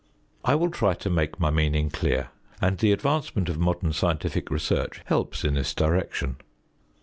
I will try to make my meaning clear, and the advancement of modern scientific research helps in this direction.